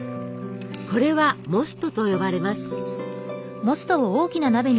これは「モスト」と呼ばれます。